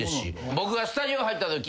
僕がスタジオ入ったとき。